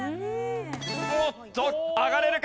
おっと上がれるか？